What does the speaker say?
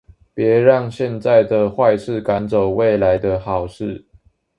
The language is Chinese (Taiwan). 別讓現在的壞事趕走未來的好事